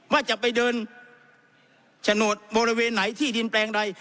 ว่าจะไปเดินโฉนดบริเวณไหนที่ดินแปลงใด